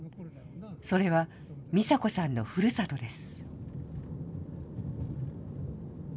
それはミサ子さんのふるさとです。